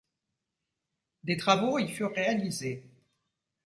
Des travaux y furent réalisés.